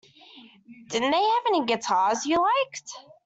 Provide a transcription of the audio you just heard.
Didn't they have any guitars you liked?